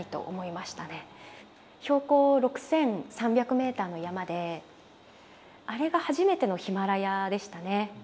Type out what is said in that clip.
標高６３００ｍの山であれが初めてのヒマラヤでしたね。